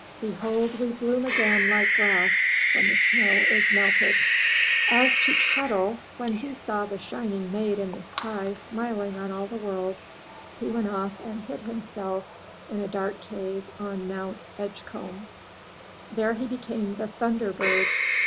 Behold we bloom again like grass when the snow is melted!" As to Chet'l, when he saw the shining Maid in the sky smiling on all the world, he went off and hid himself in a dark cave on Mt. Edgecomb. There he became the Thunder bird.